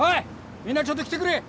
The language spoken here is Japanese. みんなちょっと来てくれ。